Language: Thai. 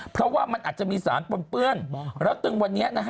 เพราะว่ามันอาจจะมีสารปนเปื้อนแล้วตึงวันนี้นะฮะ